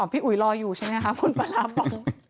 อ๋อพี่อุ๊ยรออยู่ใช่ไหมคะผลปลาร้าบอง